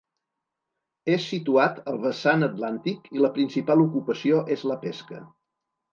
És situat al vessant atlàntic i la principal ocupació és la pesca.